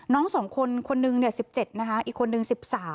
น้องสองคนคนนึง๑๗อีกคนนึง๑๓